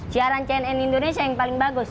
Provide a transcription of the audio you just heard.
siaran cnn indonesia yang paling bagus